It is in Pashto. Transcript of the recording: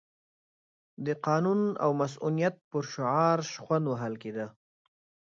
د قانون او مصونیت پر شعار شخوند وهل کېده.